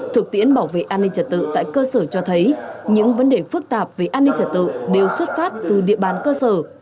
thực tiễn bảo vệ an ninh trật tự tại cơ sở cho thấy những vấn đề phức tạp về an ninh trật tự đều xuất phát từ địa bàn cơ sở